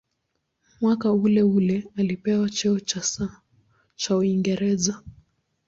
Mwaka uleule alipewa cheo cha "Sir" cha Uingereza.